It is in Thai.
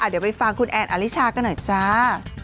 เดี๋ยวไปฟังคุณแอนอลิชากันหน่อยจ้า